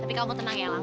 tapi kamu tenang ya lang